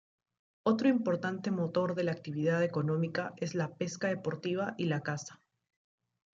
Otro importante motor de la actividad económica es la pesca deportiva y la caza.